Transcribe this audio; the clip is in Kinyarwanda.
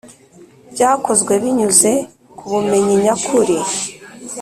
Byakozwe binyuze ku bumenyi nyakuri